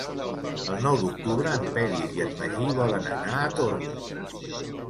El nou d'octubre en Peris i en Magí volen anar a Tormos.